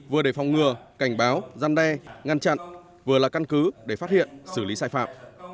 vừa để phòng ngừa cảnh báo gian đe ngăn chặn vừa là căn cứ để phát hiện xử lý sai phạm